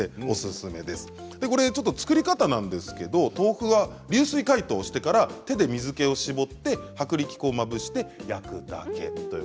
これ作り方なんですけど豆腐は流水解凍してから手で水けを絞って薄力粉をまぶして焼くだけということですね。